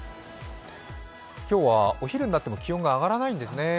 今日はお昼になっても気温が上がらないんですね。